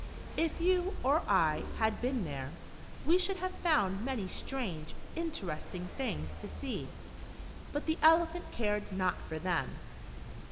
If you or I had been there, we should have found many strange, interesting things to see, but the Elephant cared not for them.